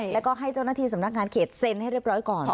แล้วก็ให้เจ้าหน้าที่สำนักงานเขตเซ็นให้เรียบร้อยก่อน